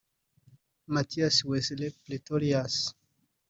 Marthinus Wessel Pretorius